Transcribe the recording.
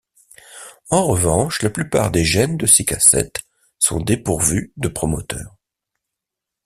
En revanche, la plupart des gènes de ces cassettes sont dépourvus de promoteur.